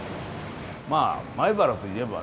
まあ米原といえばね